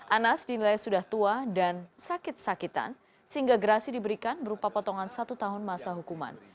anas dinilai sudah tua dan sakit sakitan sehingga gerasi diberikan berupa potongan satu tahun masa hukuman